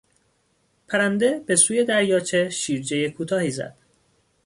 پرنده بهسوی دریاچه شیرجهی کوتاهی زد.